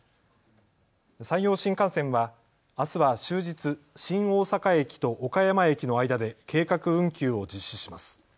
山陽新幹線はあすは終日、新大阪駅と岡山駅の間で計画運休を実施します。